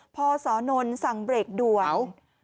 พศนนท์สั่งเบรกด่วน